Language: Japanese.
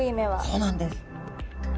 そうなんです。